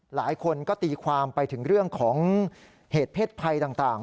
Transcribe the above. หลายคนก็ตีความไปถึงเรื่องของเหตุเพศภัยต่าง